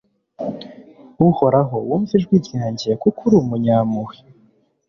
Uhoraho wumve ijwi ryanjye kuko uri umunyampuhwe